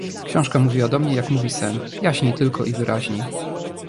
"Książka mówiła do mnie, jak mówi sen, jaśniej tylko i wyraźniej."